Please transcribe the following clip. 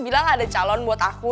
bilang ada calon buat aku